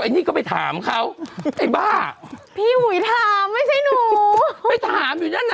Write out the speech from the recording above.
นี่ก็ไปถามเขาไอ้บ้าพี่อุ๋ยถามไม่ใช่หนูไปถามอยู่นั่นน่ะ